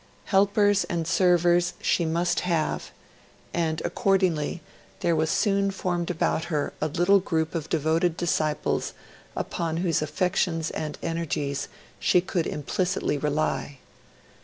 Helpers and servers she must have; and accordingly there was soon formed about her a little group of devoted disciples upon whose affections and energies she could implicitly rely.